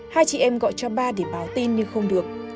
hai chị em gọi cho ba để báo tin nhưng không được